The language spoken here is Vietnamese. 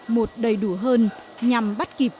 một đầy đủ hơn nhằm bắt kịp